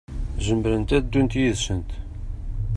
Zemrent ad ddun yid-sent.